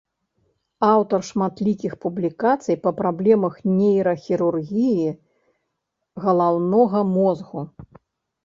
Аўтар шматлікіх публікацый па праблемах нейрахірургіі галаўнога мозгу.